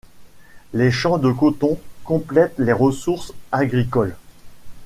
Les champs de coton complètent les ressources agricoles.